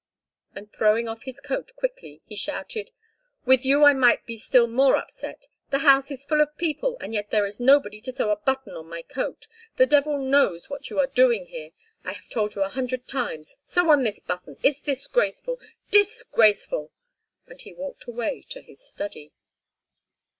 And throwing off his coat quickly, he shouted: "With you I might be still more upset! The house is full of people and yet there is nobody to sew a button on my coat. The devil knows what you are doing here. I have told you a hundred times. Sew on this button. It's disgraceful, disgraceful!" And he walked away to his study.